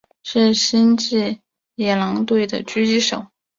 是星际野狼队的狙击手。